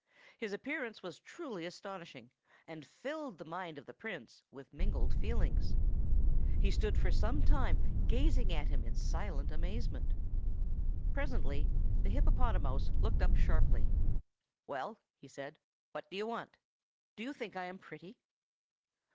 His appearance was truly astonishing, and filled the mind of the Prince with mingled feelings. He stood for some time gazing at him in silent amazement. Presently the hippopotamouse looked up sharply. "Well," he said, "what do you want? Do you think I am pretty?"